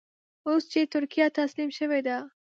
اوس چې ترکیه تسلیم شوې ده.